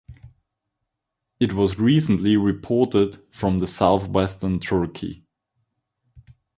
It was recently reported from southwestern Turkey.